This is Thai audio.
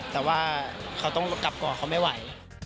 แต่ว่าเขาต้องกลับก่อนเขาไม่ไหว